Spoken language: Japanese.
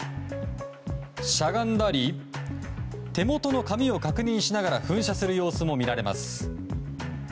しゃがんだり手元の紙を確認しながら噴射する様子も見られます。